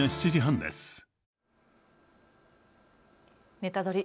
ネタドリ！